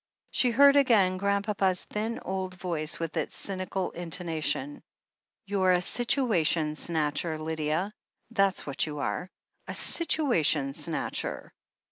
She heard again Grandpapa's thin old voice, with its cynical intonation: "You're a situation snatcher, Lydia — that's what you are. A situation snatcher."